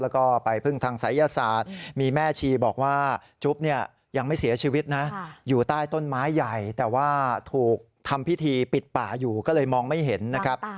แล้วก็ไปพึ่งทางศัยศาสตร์มีแม่ชีบอกว่าจุ๊บเนี่ยยังไม่เสียชีวิตนะอยู่ใต้ต้นไม้ใหญ่แต่ว่าถูกทำพิธีปิดป่าอยู่ก็เลยมองไม่เห็นนะครับ